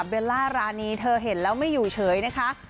เวลารานีเธอเห็นแล้วไม่อยู่เฉยนะคะ